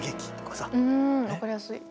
うん分かりやすい。